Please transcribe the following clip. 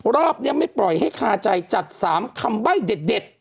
รอบนี้ไม่ปล่อยให้คาใจจัด๓คำใบ้เด็ด